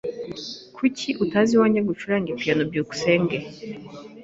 Kuki utaza iwanjye ngo ucurange piyano? byukusenge